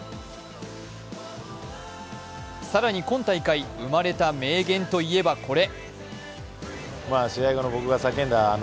更に今大会、生まれた名言といえばこれ。